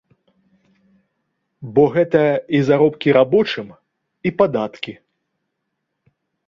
Бо гэта і заробкі рабочым, і падаткі.